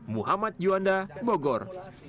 muhammad juanda bogor